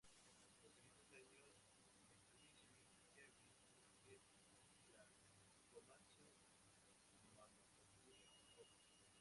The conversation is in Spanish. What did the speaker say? Los siguientes años "Mitsubishi Heavy Industries" y la "Komatsu Manufacturing Co.